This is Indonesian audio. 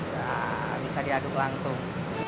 nah bisa diaduk langsung